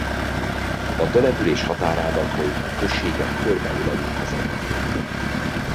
A település határában folyik a községet körbe öleli a Zagyva folyó.